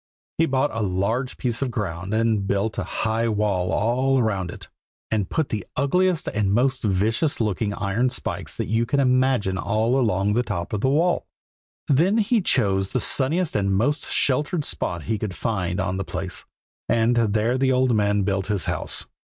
He bought a large piece of ground and built a high wall all round it, and put the ugliest and most vicious looking iron spikes that you can imagine all along the top of the wall. Then he chose the sunniest and most sheltered spot he could find on the place, and there the old man built his house.